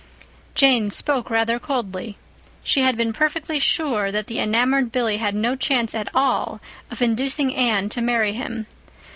Jane spoke rather coldly. She had been perfectly sure that the enamored Billy had no chance at all of inducing Anne to marry him.